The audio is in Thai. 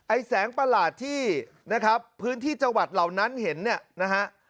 แสงประหลาดที่นะครับพื้นที่จังหวัดเหล่านั้นเห็นเนี่ยนะฮะ